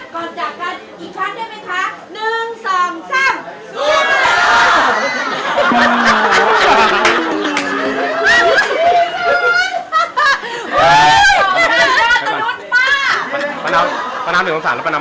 ก่อนจากกันอีกชั้นได้ไหมคะ